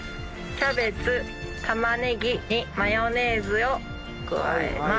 キャベツ玉ねぎにマヨネーズを加えます。